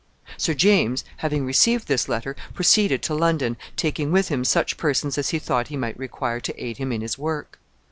Sir James, having received this letter, proceeded to London, taking with him such persons as he thought he might require to aid him in his work.